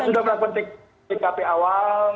sudah melakukan tkp awal